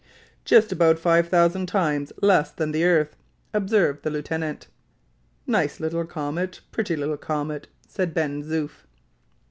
"Just about 5,000 times less than the earth," observed the lieutenant. "Nice little comet! pretty little comet!" said Ben Zoof.